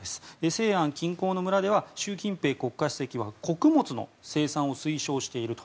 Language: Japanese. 西安近郊の村では習近平国家主席は穀物の生産を推奨していると。